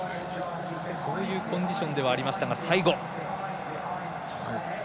そういうコンディションではありましたが最後。